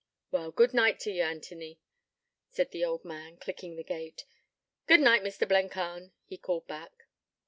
'Well, good night to ye, Anthony,' said the old man, clicking the gate. 'Good night, Mr. Blencarn,' he called back.